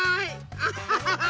アハハハッ。